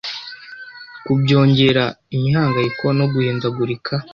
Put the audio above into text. kubyongera imihangayiko no guhindagurika